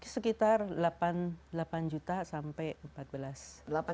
sekitar delapan juta sampai empat belas